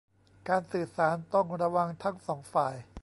การสื่อสารต้องระวังทั้งสองฝ่าย